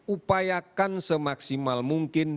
upayakan semaksimal mungkin